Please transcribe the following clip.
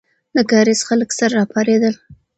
د کارېز خلک سره راپارېدل.